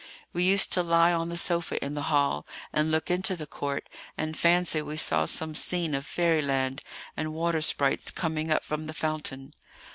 We used to lie on the sofa in the hall, and look into the court, and fancy we saw some scene of fairy land, and water sprites coming up from the fountain.